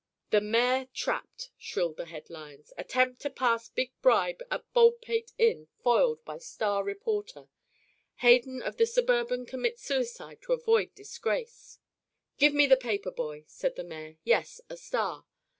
"The Mayor Trapped," shrilled the head lines. "Attempt to Pass Big Bribe at Baldpate Inn Foiled by Star Reporter. Hayden of the Suburban Commits Suicide to Avoid Disgrace." "Give me a paper, boy," said the mayor. "Yes a Star."